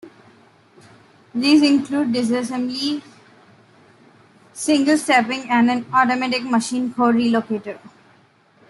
These include disassembly, single-stepping, and an automatic machine code relocator.